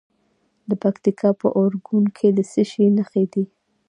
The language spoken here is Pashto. د پکتیکا په اورګون کې د څه شي نښې دي؟